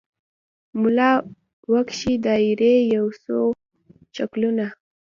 ملا وکښې دایرې یو څو شکلونه